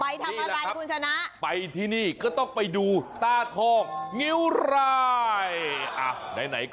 นี่แล้วครับไปที่นี่ก็ต้องไปดูต้าทองเงี๊ยวไร